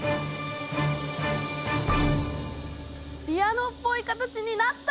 ピアノっぽい形になった！